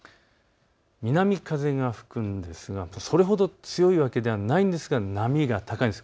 南風が吹くんですがそれほど強いわけではないのですが波が高いです。